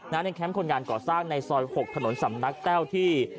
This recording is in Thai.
แคมป์คนงานก่อสร้างในซอย๖ถนนสำนักแต้วที่